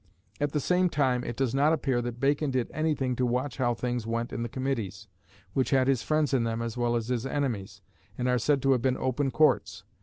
At the same time it does not appear that Bacon did anything to watch how things went in the Committees, which had his friends in them as well as his enemies, and are said to have been open courts.